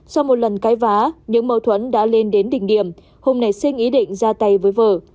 sau một lần cái vá những mâu thuẫn đã lên đến đỉnh điểm hùng nảy sinh ý định ra tay với vợ